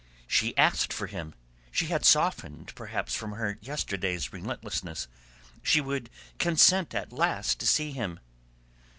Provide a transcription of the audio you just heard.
She asked for him! She had softened perhaps from her yesterday's relentlessness. She would consent at last to see him!